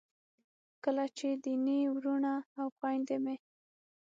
کله چې دیني وروڼه او خویندې مې